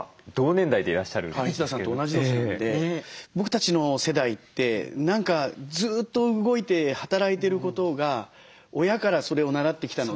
一田さんと同じ年なんで僕たちの世代って何かずっと動いて働いてることが親からそれを習ってきたので。